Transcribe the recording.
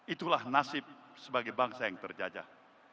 itulah nasib sebagai bangsa yang terjajah